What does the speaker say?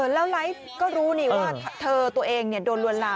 แล้วไลฟ์ก็รู้นี่ว่าเธอตัวเองโดนลวนลาม